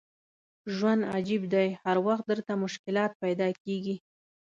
ژوند عجیب دی هر وخت درته مشکلات پیدا کېږي.